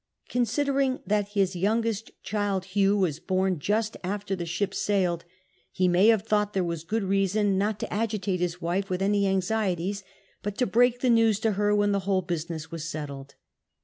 Considering that his youngest child, Hugh, was born just after the ship sailed he may have thought there was good reason not to agitate his Avifo with any anxieties, but to break the nows to her when the whole business was settled.